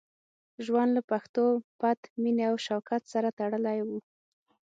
ژوند له پښتو، پت، مینې او شوکت سره تړلی وو.